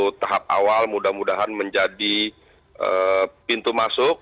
untuk tahap awal mudah mudahan menjadi pintu masuk